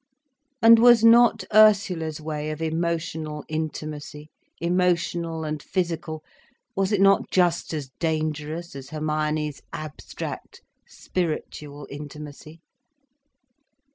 And was not Ursula's way of emotional intimacy, emotional and physical, was it not just as dangerous as Hermione's abstract spiritual intimacy?